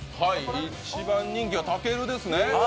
一番人気はたけるですね。